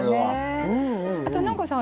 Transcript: あと南光さん